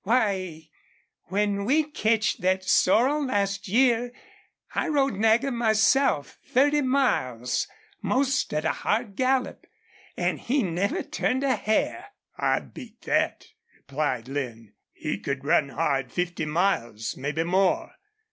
Why, when we ketched thet sorrel last year I rode Nagger myself thirty miles, most at a hard gallop. An' he never turned a hair!" "I've beat thet," replied Lin. "He could run hard fifty miles mebbe more.